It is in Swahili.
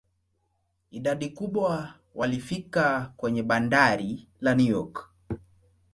Idadi kubwa walifika kwenye bandari la New York.